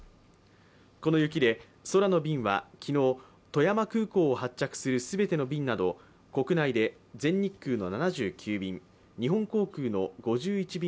この雪で、空の便は昨日富山空港を発着する全ての便など国内で全日空の７９便、